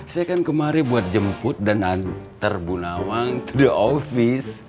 saya kan kemarin buat jemput dan antar bu nawang to the office